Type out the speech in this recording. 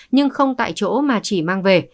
nhưng không tại chỗ mà chỉ mang về